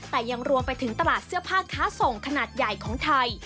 แต่ยังรวมไปถึงตลาดเสื้อผ้าค้าส่งขนาดใหญ่ของไทย